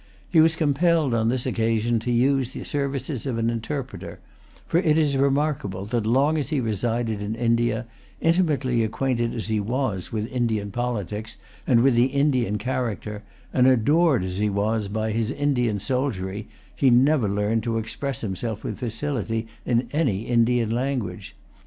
He was compelled on this occasion to use the services of an interpreter; for it is remarkable that, long as he resided in India, intimately acquainted as he was with Indian politics and with the Indian character, and adored as he was by his Indian soldiery, he never learned to express himself with facility in any Indian language.